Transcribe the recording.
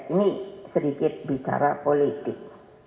ini sedikit bicara politik